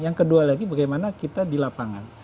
yang kedua lagi bagaimana kita di lapangan